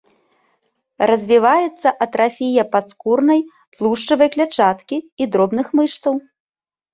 Развіваецца атрафія падскурнай тлушчавай клятчаткі і дробных мышцаў.